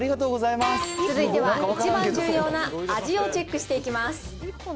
続いては一番重要な味をチェックしていきます。